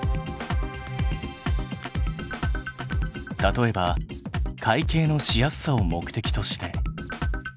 例えば会計のしやすさを目的として。